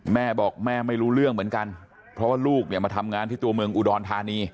แม่บอกแม่ไม่รู้เรื่องเหมือนกันเพราะว่าลูกเนี่ยมาทำงานที่ตัวเมืองอุดรธานี